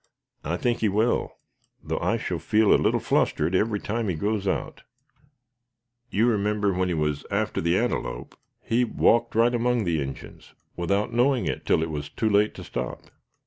"I think he will, though I shall feel a little flustered every time he goes out. You remember when he was after the antelope, he walked right among the Injins, without knowing it till it was too late to stop."